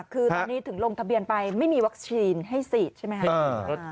คือตอนนี้ถึงลงทะเบียนไปไม่มีวัคซีนให้ฉีดใช่ไหมครับ